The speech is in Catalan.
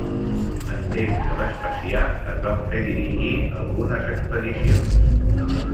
En temps de Vespasià es van fer dirigir algunes expedicions.